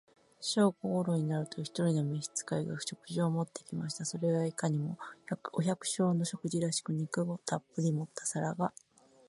正午頃になると、一人の召使が、食事を持って来ました。それはいかにも、お百姓の食事らしく、肉をたっぶり盛った皿が、